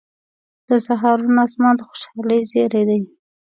• د سهار روڼ آسمان د خوشحالۍ زیری دی.